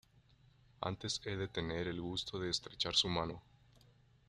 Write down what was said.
Antes he de tener el gusto de estrechar su mano.